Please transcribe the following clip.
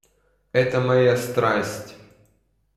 Это моя страсть.